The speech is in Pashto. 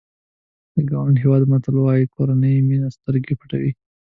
د ګاڼډا هېواد متل وایي کورنۍ مینه سترګې پټوي.